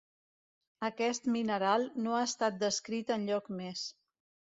Aquest mineral no ha estat descrit enlloc més.